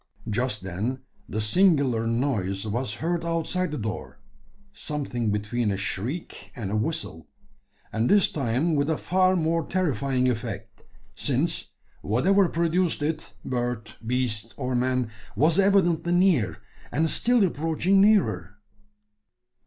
Just then, the singular noise was heard outside the door something between a shriek and a whistle and this time with a far more terrifying effect: since, whatever produced it bird, beast, or man was evidently near, and still approaching nearer.